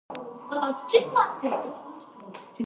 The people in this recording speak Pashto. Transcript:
هغه سړی چې مرغۍ یې ویشتلې وه دربار ته حاضر شو.